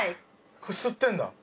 これ吸ってんだ。